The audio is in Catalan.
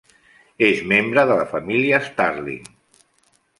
És membre de la família Starling.